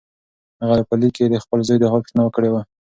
هغه په لیک کې د خپل زوی د حال پوښتنه کړې وه.